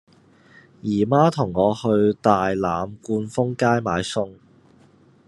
姨媽同我去大欖冠峰街買餸